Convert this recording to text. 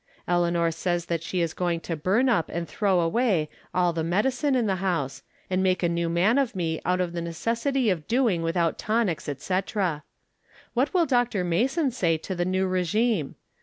Eleanor says that she is going to burn up and throw away "all the medicine in the house, and make a new man of me out of the necessity of doing without tonics, etc. What will Dr. Mason say to the new regime